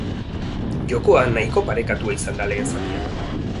Jokoa nahiko parekatua izan da lehen zatian.